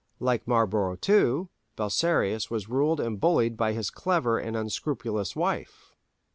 Like Marlborough, too, Belisarius was ruled and bullied by his clever and unscrupulous wife.